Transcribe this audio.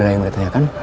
ada yang mau ditanyakan